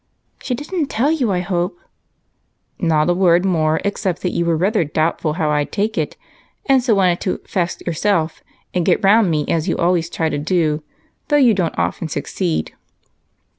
" She did n't tell you, I hope ?" "Not a word more except that you were rather doubtful how I 'd take it, and so wanted to ' fess ' yourself and get round me as you always try to do, though you don't often succeed.